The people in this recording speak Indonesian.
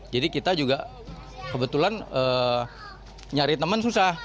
jadi kita juga kebetulan nyari teman susah